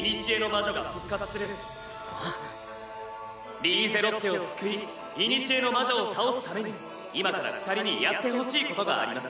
リーゼロッテを救い古の魔女を倒すために今から二人にやってほしいことがあります。